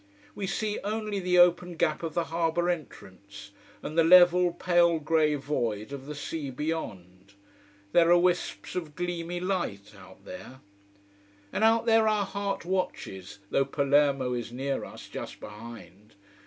We see only the open gap of the harbour entrance, and the level, pale grey void of the sea beyond. There are wisps of gleamy light out there. And out there our heart watches though Palermo is near us, just behind.